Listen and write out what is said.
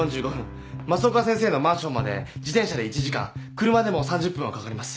増岡先生のマンションまで自転車で１時間車でも３０分はかかります。